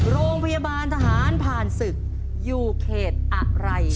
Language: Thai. โรงพยาบาลทหารผ่านศึกอยู่เขตอะไร